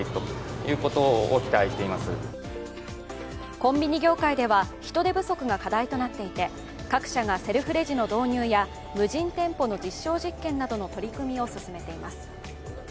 コンビニ業界では人手不足が課題となっていて各社がセルフレジの導入や無人店舗の実証実験などの取り組みを進めています。